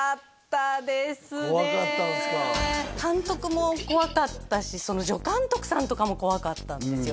怖かったんすか監督も怖かったし助監督さんとかも怖かったんですよ